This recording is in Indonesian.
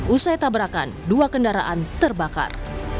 usai tabrakan dua kendaraan terbakar